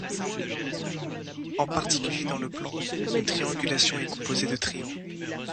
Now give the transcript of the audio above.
En particulier dans le plan, une triangulation est composée de triangles.